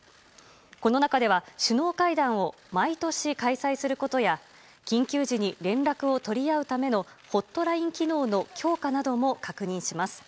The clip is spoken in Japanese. この中では首脳会談を毎年開催することや緊急時に連絡を取り合うためのホットライン機能の強化なども確認します。